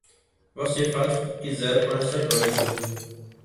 Você faz o que quiser com essa coisa.